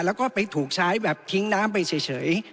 แล้วก็ไปถูกใช้แบบทิ้งน้ำไปเฉย